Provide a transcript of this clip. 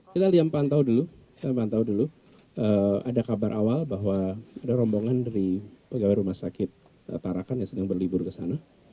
kita lihat pantau dulu kita pantau dulu ada kabar awal bahwa ada rombongan dari pegawai rumah sakit tarakan yang sedang berlibur ke sana